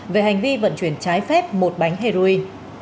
về hành vi vận chuyển trái phép một bánh heroin